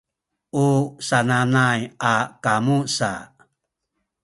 u sananay a kamu sa